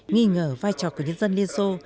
nghi ngờ vai trò của nhân dân liên xô